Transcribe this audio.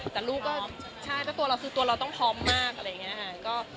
ตรงคือตัวเราต้องพร้อมมาก